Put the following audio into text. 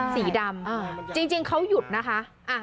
สีดำจริงเขาหยุดนะคะ